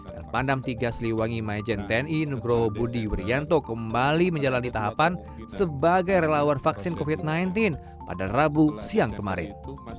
dan pandam tiga sliwangi majen tni nugroho budi weryanto kembali menjalani tahapan sebagai relawan vaksin covid sembilan belas pada rabu siang kemarin